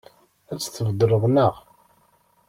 Ad tt-tbeddleḍ, naɣ?